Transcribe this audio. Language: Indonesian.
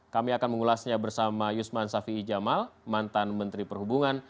kami akan mengulasnya bersama yusman safi'i jamal mantan menteri perhubungan